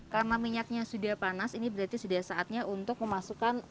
karena minyaknya sudah panas ini berarti sudah saatnya untuk memasukkan